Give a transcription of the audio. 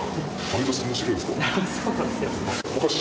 そうなんですよ。